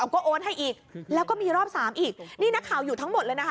ก็โอนให้อีกแล้วก็มีรอบสามอีกนี่นักข่าวอยู่ทั้งหมดเลยนะคะ